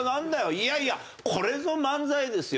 いやいやこれぞ漫才ですよ。